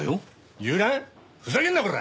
ふざけんなコラ！